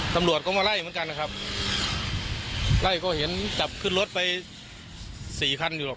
ตำรวจก็มาไล่เหมือนกันนะครับไล่ก็เห็นจับขึ้นรถไปสี่คันอยู่หรอก